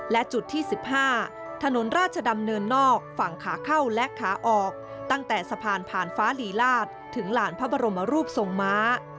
และจุดที่๑๕ถนนราชดำเนินนอกฝั่งขาเข้าและขาออกตั้งแต่สะพานผ่านฟ้าลีลาศถึงหลานพระบรมรูปทรงม้า